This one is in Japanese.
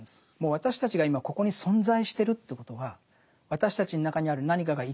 私たちが今ここに存在してるということは私たちの中にある何かが「生きよ」と言ってるんですよね。